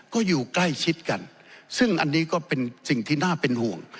ก็อยู่ใกล้ชิดกันซึ่งอันนี้ก็เป็นสิ่งที่น่าเป็นห่วง